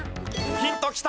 ヒントきた。